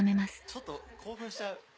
ちょっと興奮しちゃう。